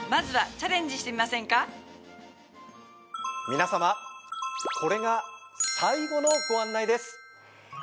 皆様これが最後のご案内です。